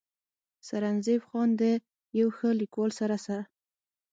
“ سرنزېب خان د يو ښه ليکوال سره سره